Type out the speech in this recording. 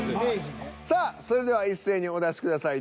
さあそれでは一斉にお出しください。